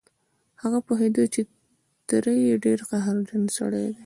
هغه پوهېده چې تره يې ډېر قهرجن سړی دی.